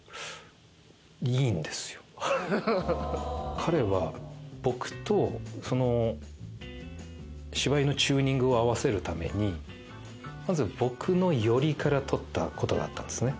彼は僕と芝居のチューニングを合わせるためにまず僕の寄りから撮ったことがあったんですね。